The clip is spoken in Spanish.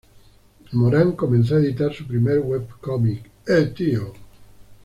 Morán comenzó a editar su primer webcómic, "¡Eh, tío!